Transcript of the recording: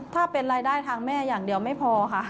ถ้าเป็นรายได้ทางแม่อย่างเดียวไม่พอค่ะ